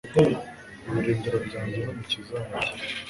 ibirindiro byanjye n’umukiza wanjye